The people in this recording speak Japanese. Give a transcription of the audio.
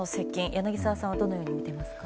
柳澤さんはどう見ていますか？